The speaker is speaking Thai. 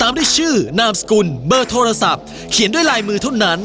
เบอร์โทรศัพท์เขียนด้วยลายมือเท่านั้น